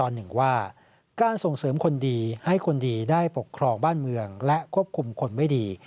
ให้คนดีได้ปกครองบ้านเมืองและควบคุมคนไม่ดี